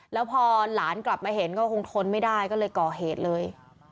แล้วพอหลานกลับมาเห็นก็คงทนไม่ได้ก็เลยก่อเหตุเลย